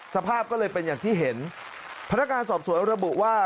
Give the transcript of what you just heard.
สภาพก็เลยเป็นอย่างที่เห็นพนักงานสอบสวนระบุว่า